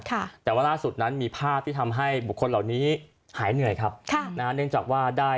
ค่ะแต่ว่าร่าสุดนั้นมีภาพที่ทำให้บุคคลเหล่านี้หายเหนื่อยครับน่าได้